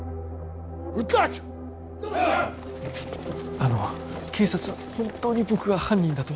あの警察は本当に僕が犯人だと？